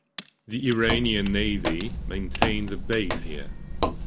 The Iranian navy maintains a base here.